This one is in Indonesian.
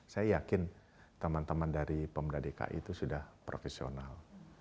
saya yakin teman teman dari pemda dki itu sudah profesional